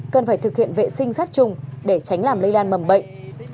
cần phải thực hiện vệ sinh sát trùng để tránh làm lây lan mầm bệnh